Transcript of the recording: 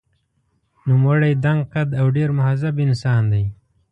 نوموړی دنګ قد او ډېر مهذب انسان دی.